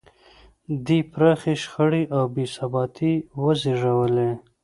دې پراخې شخړې او بې ثباتۍ وزېږولې.